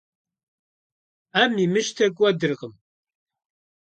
Ӏэм имыщтэ кӀуэдыркъым.